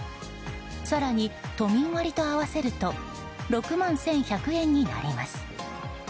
更に都民割と合わせると６万１１００円になります。